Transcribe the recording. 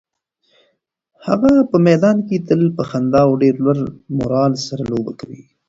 هغه په میدان کې تل په خندا او ډېر لوړ مورال سره لوبه کوي.